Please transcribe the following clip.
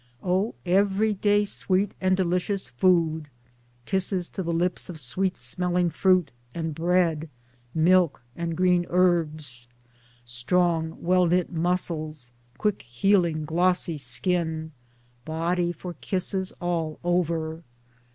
O every day sweet and delicious food ! Kisses to the lips of sweet smelling fruit and bread, milk and green herbs. Strong well knit muscles, quick healing glossy skin, body for kisses all over